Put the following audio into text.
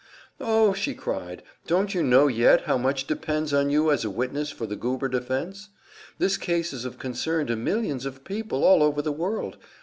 "Oh!" she cried. "Don't you know yet how much depends on you as a witness for the Goober defense? This case is of concern to millions of people all over the world!